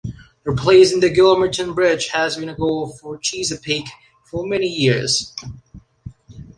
Replacing the Gilmerton Bridge has been a goal for Chesapeake for many years.